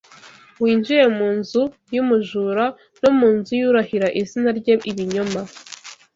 winjire mu nzu y’umujura no mu nzu y’urahira izina ryanjye ibinyoma